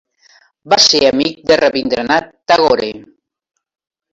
Va ser amic de Rabindranath Tagore.